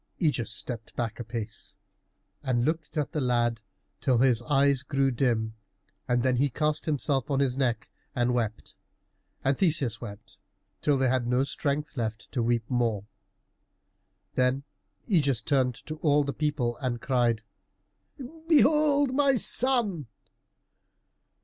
Ægeus stepped back a pace and looked at the lad till his eyes grew dim, and then he cast himself on his neck and wept, and Theseus wept, till they had no strength left to weep more. Then Ægeus turned to all the people and cried, "Behold my son!"